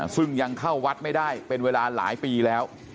ซึ่งยังเข้าวัดไม่ได้เป็นเวลาหลายปีแล้ว